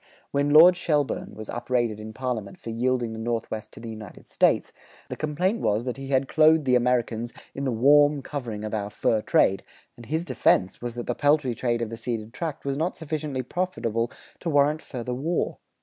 When Lord Shelburne was upbraided in parliament for yielding the Northwest to the United States, the complaint was that he had clothed the Americans "in the warm covering of our fur trade," and his defense was that the peltry trade of the ceded tract was not sufficiently profitable to warrant further war.